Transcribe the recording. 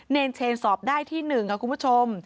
เนรเชนสอบได้ที่๑ค่ะคุณผู้ชม